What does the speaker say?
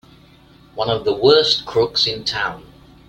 One of the worst crooks in town!